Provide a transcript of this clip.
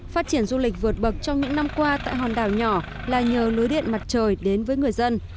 phát triển du lịch vượt bậc trong những năm qua tại hòn đảo nhỏ là nhờ lưới điện mặt trời đến với người dân